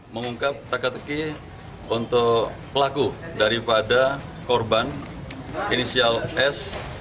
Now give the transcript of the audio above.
mengungkap takat eki untuk pelaku daripada korban inisial s